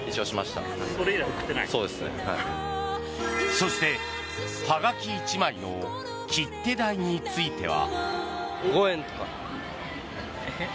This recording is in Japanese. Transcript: そして、はがき１枚の切手代については。